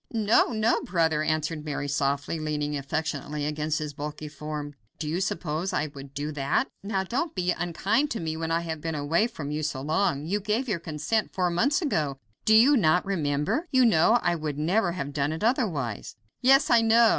"No! no! brother," answered Mary softly, leaning affectionately against his bulky form; "do you suppose I would do that? Now don't be unkind to me when I have been away from you so long! You gave your consent four months ago. Do you not remember? You know I would never have done it otherwise." "Yes, I know!